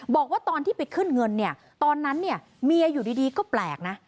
บอกว่าตอนที่ไปขึ้นเงินตอนนั้นเมียอยู่ดีก็แปลกนะ